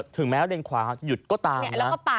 ถึงแม้เลนขวาหยุดก็ตาม